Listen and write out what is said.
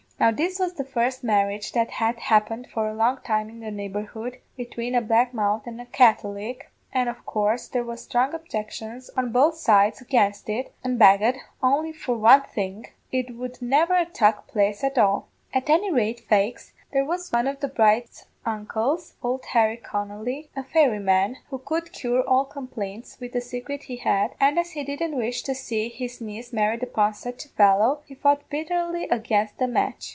"Now this was the first marriage that had happened for a long time in the neighbourhood betune a black mouth an' a Catholic, an' of coorse there was strong objections on both sides aginst it; an' begad, only for one thing, it would never 'a tuck place at all. At any rate, faix, there was one of the bride's uncles, ould Harry Connolly, a fairy man, who could cure all complaints wid a secret he had, and as he didn't wish to see his niece married upon sich a fellow, he fought bittherly against the match.